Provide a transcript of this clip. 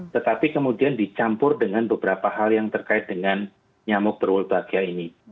tetapi kemudian dicampur dengan beberapa hal yang terkait dengan nyamuk berulbagya ini